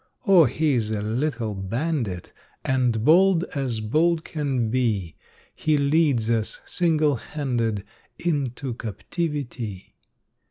Oh, he's a little bandit, And bold as bold can be. He leads us, single handed, Into captivity.